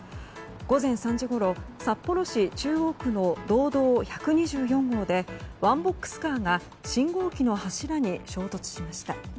午前３時ごろ札幌市中央区の道道１２４号でワンボックスカーが信号機の柱に衝突しました。